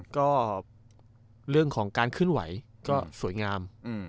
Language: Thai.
ก็เรื่องของการขึ้นไหวก็สวยงาม